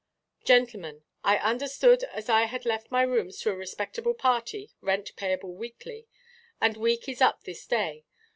"GENTLEMEN,—I understood as I had lett my rooms to a respectable party, rent payable weakly, and weak is up this day.